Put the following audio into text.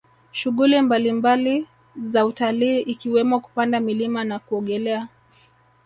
Shughuli mbalimbali za utalii ikiwemo kupanda milima na kuogelea